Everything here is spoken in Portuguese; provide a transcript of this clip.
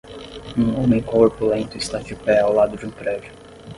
Um homem corpulento está de pé ao lado de um prédio.